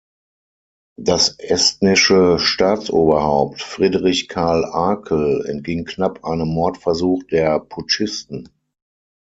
Das estnische Staatsoberhaupt, Friedrich Karl Akel, entging knapp einem Mordversuch der Putschisten.